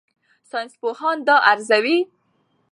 ساینسپوهان دا ارزوي.